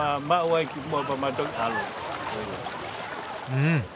うん。